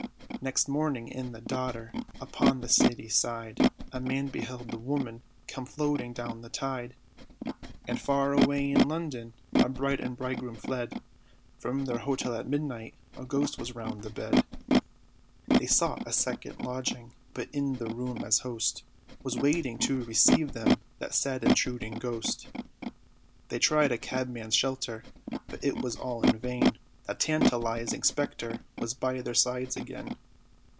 Next morning in the Dodder, upon the city side, A man beheld a woman, come floating down the tide. And far away in London, a bride, and bridegroom fled From their hotel at midnight a ghost was round the bed! They sought a second lodging, but in the room, as host, Was waiting to receive them that sad, intruding ghost. They tried a cabman's shelter, but it was all in vain, That tantalizing spectre was by their sides again.